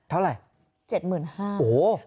เท่าไหร่๗๕๐๐๐บาท